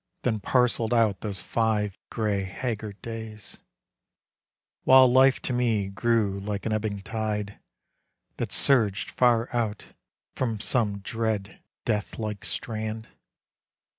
Then parcelled out those five gray, haggard days, While life to me grew like an ebbing tide, That surged far out from some dread death like strand.